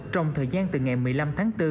trong thời gian từ ngày một mươi năm tháng bốn